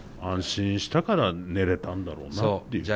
安心したから寝れたんだろうなって。